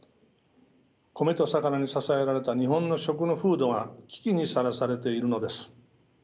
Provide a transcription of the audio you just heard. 米と魚に支えられた日本の食の風土が危機にさらされているのです。